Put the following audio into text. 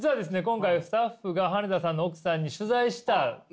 今回スタッフが羽根田さんの奥さんに取材したということで。